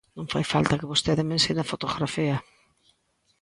Non fai falta que vostede me ensine a fotografía.